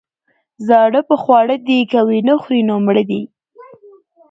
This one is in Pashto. ـ زاړه په خواړه دي، که يې ونخوري نو مړه دي.